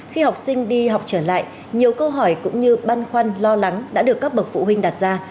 khi học sinh đi học trở lại nhiều câu hỏi cũng như băn khoăn lo lắng đã được các bậc phụ huynh đặt ra